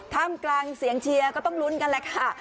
ท่ามกลางเสียงเชียร์ก็ต้องลุ้นกันแหละค่ะ